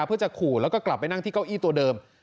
เพื่อจะขู่แล้วก็กลับไปนั่งที่เก้าอี้ตัวเดิม